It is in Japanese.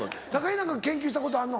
何か研究したことあんの？